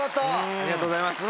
ありがとうございます。